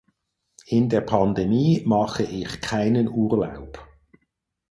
In der Pandemie mache ich keinen Urlaub.